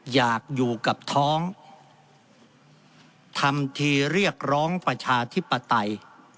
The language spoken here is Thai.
อยากอยู่กับท้องทำทีเรียกร้องประชาธิปไตย